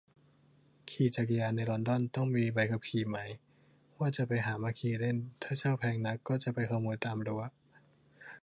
ขี่จักรยานในลอนดอน ต้องมีใบขับขี่ไหม ว่าจะไปหามาขี่เล่น ถ้าเช่าแพงนัก ก็จะไปขโมยตามรั้ว